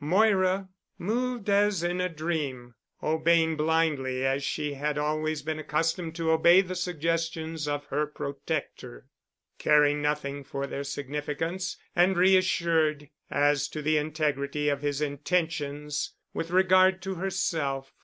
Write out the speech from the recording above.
Moira moved as in a dream, obeying blindly as she had always been accustomed to obey the suggestions of her protector, caring nothing for their significance and reassured as to the integrity of his intentions with regard to herself.